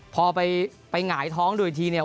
พอไปหงายท้องโดยทีเนี่ย